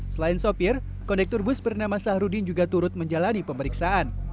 selain sopir kondektur bus bernama sahrudin juga turut menjalani pemeriksaan